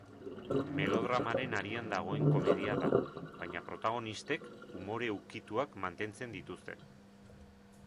Melodramaren harian dagoen komedia da, baina protagonistek umore ukituak mantentzen dituzte.